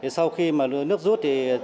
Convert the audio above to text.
sau khi nước rút